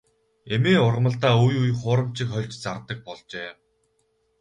Эмийн ургамалдаа үе үе хуурамчийг хольж зардаг болжээ.